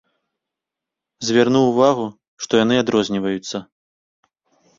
Звярнуў увагу, што яны адрозніваюцца.